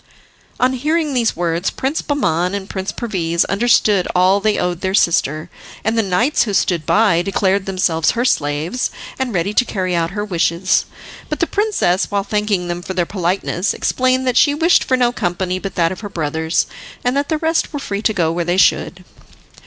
On hearing these words Prince Bahman and Prince Perviz understood all they owed their sister, and the knights who stood by declared themselves her slaves and ready to carry out her wishes. But the princess, while thanking them for their politeness, explained that she wished for no company but that of her brothers, and that the rest were free to go where they would.